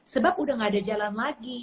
sebab udah gak ada jalan lagi